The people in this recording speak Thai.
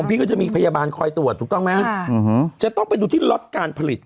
พี่ก็จะมีพยาบาลคอยตรวจถูกต้องไหมจะต้องไปดูที่ล็อตการผลิต